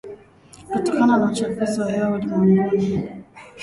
kutokana na uchafuzi wa hewa ulimwenguni